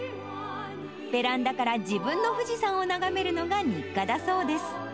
ベランダから自分の富士山を眺めるのが日課だそうです。